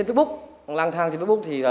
hai mươi sáu tủng thuốc lá